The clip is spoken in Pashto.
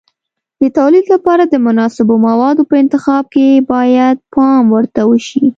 د تولید لپاره د مناسبو موادو په انتخاب کې باید پام ورته وشي.